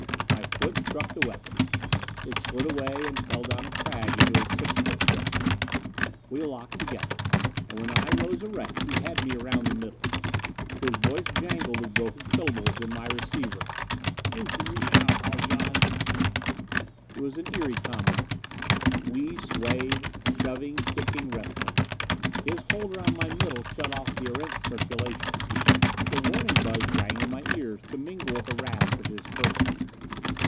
My foot struck the weapon; it slid away and fell down a crag into a six foot pit. We locked together, and when I rose erect he had me around the middle. His voice jangled with broken syllables in my receiver. "Do for you now, Haljan " It was an eery combat. We swayed, shoving, kicking, wrestling. His hold around my middle shut off the Erentz circulation; the warning buzz rang in my ears to mingle with the rasp of his curses.